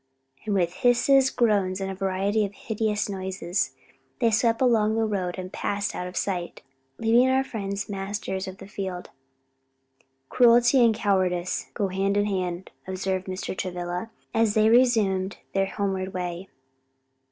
and with hisses, groans and a variety of hideous noises, they swept along the road and passed out of sight, leaving our friends masters of the field. "Cruelty and cowardice go hand in hand," observed Mr. Travilla, as they resumed their homeward way.